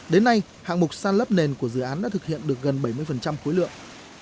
đến nay hạng mục san lấp nền của dự án đã thực hiện được gần bảy mươi khối lượng